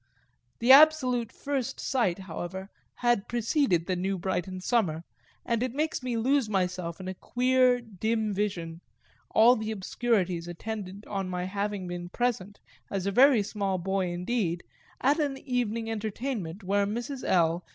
The absolute first sight, however, had preceded the New Brighton summer, and it makes me lose myself in a queer dim vision, all the obscurities attendant on my having been present, as a very small boy indeed, at an evening entertainment where Mrs. L.